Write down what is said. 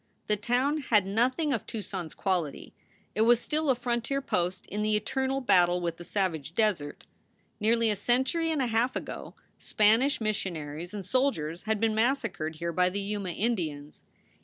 The town had nothing of Tucson s quality. It was still a frontier post in the eternal battle with the savage desert. Nearly a century and a half ago Spanish missionaries and soldiers had been massacred here by the Yuma Indians.